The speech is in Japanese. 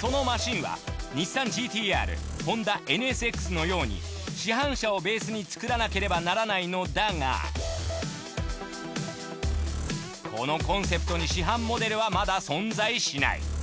そのマシンはニッサンＧＴ−ＲホンダＮＳＸのように市販車をベースにつくらなければならないのだがこのコンセプトに市販モデルはまだ存在しない。